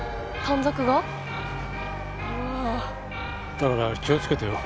だから気をつけてよ。